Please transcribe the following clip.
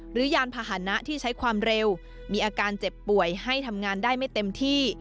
ยานพาหนะที่ใช้ความเร็วมีอาการเจ็บป่วยให้ทำงานได้ไม่เต็มที่